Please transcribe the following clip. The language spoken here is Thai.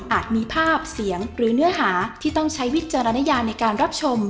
มีภาพเสียงหรือเนื้อหาที่ต้องใช้วิจารณญาในการรับชม